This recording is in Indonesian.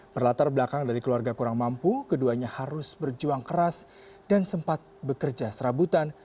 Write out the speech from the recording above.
berlatar belakang dari keluarga kurang mampu keduanya harus berjuang keras dan sempat bekerja serabutan